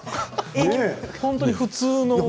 本当に普通の。